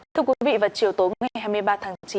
thưa quý vị vào chiều tối ngày hai mươi ba tháng chín